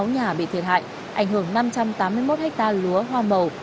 một trăm tám mươi sáu nhà bị thiệt hại ảnh hưởng năm trăm tám mươi một ha lúa hoa màu